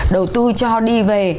đầu tư cho đi về